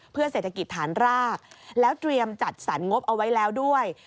เพื่อเศรษฐกิจฐานรากแล้วเตรียมจัดสรรงบเอาไว้แล้วด้วย